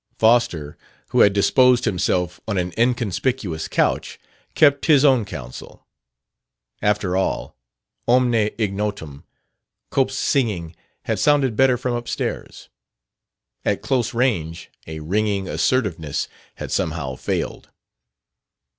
Foster, who had disposed himself on an inconspicuous couch, kept his own counsel. After all, omne ignotum: Cope's singing had sounded better from upstairs. At close range a ringing assertiveness had somehow failed.